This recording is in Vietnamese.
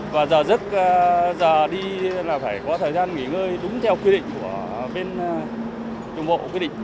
và giờ dứt giờ đi là phải có thời gian nghỉ ngơi đúng theo quy định của bên đồng bộ quy định